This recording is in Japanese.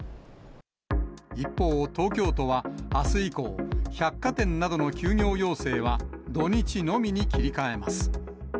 一方、東京都はあす以降、百貨店などの休業要請は、土日のみに切り替えます。